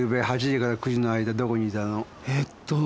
えっとー